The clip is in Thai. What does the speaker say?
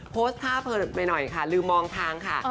โพสต์ท่าเผลอไปหน่อยค่ะลืมมองทางค่ะ